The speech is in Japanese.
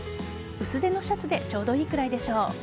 薄手のシャツでちょうどいいくらいでしょう。